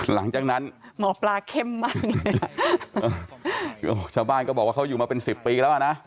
หลังจากนั้นเขาอยู่มาเป็นสิบปีแล้วนะ